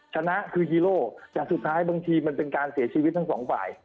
ชนะคือฮีโร่แต่สุดท้ายบางทีมันเป็นการเสียชีวิตทั้งสองฝ่าย